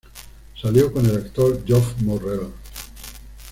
Salió con al actor Geoff Morrell.